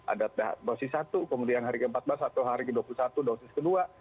ada dosis satu kemudian hari ke empat belas atau hari ke dua puluh satu dosis kedua